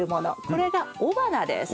これが雄花です。